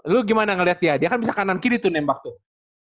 lu gimana ngeliat dia dia kan bisa kanan kiri tuh nembak tuh